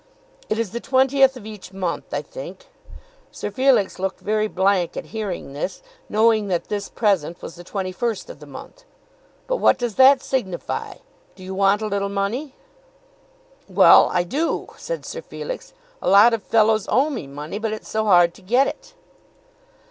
"It is the twentieth of each month I think." Sir Felix looked very blank at hearing this, knowing that this present was the twenty first of the month. "But what does that signify? Do you want a little money?" "Well, I do," said Sir Felix. "A lot of fellows owe me money, but it's so hard to get it."